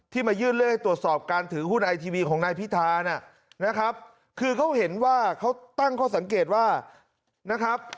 มายื่นเรื่องให้ตรวจสอบการถือหุ้นไอทีวีของนายพิธานะครับคือเขาเห็นว่าเขาตั้งข้อสังเกตว่านะครับ